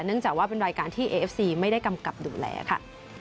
จากว่าเป็นรายการที่เอฟซีไม่ได้กำกับดูแลค่ะ